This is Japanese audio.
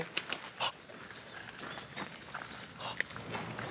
あっ。